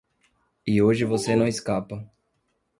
E hoje você não escapa.